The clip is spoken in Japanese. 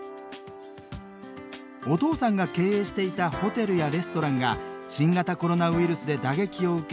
お父さんが経営していたホテルやレストランが新型コロナウイルスで打撃を受け